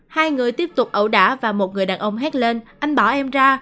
hai người tiếp tục ẩu đả và một người đàn ông hét lên anh bỏ em ra